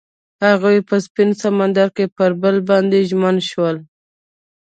هغوی په سپین سمندر کې پر بل باندې ژمن شول.